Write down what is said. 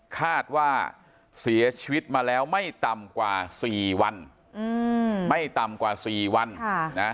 คาดว่าเสียชีวิตมาแล้วไม่ต่ำกว่าสี่วันไม่ต่ำกว่าสี่วัน